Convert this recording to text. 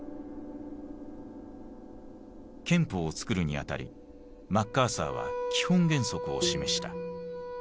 憲法をつくるに当たりマッカーサーは基本原則を示した。